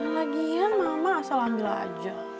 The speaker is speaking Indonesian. lagian mama asal ambil aja